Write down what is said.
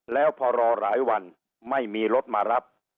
แล้วพอรอหลายวันไม่มีรถมารับ